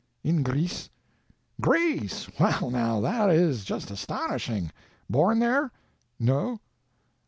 "In Greece." "Greece! Well, now, that is just astonishing! Born there?" "No."